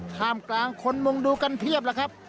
ท่ามกลางคนมุงดูกันเพียบแล้วครับ